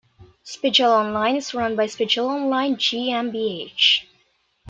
"Spiegel Online" is run by Spiegel Online GmbH.